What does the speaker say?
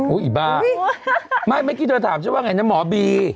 อุ๊ยอีบ้าไม่เมื่อกี้เธอถามฉันว่าอย่างไรนะหมอบี